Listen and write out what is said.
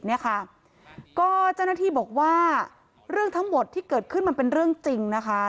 เนี่ยค่ะก็เจ้าหน้าที่บอกว่าเรื่องทั้งหมดที่เกิดขึ้นมันเป็นเรื่องจริงนะคะ